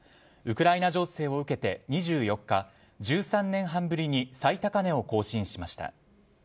ウクライナ情勢を受けて２４日１３年半ぶりに最高値を更新しました。